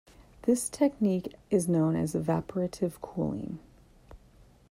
This technique is known as evaporative cooling.